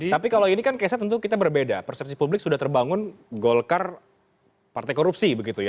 tapi kalau ini kan kesa tentu kita berbeda persepsi publik sudah terbangun golkar partai korupsi begitu ya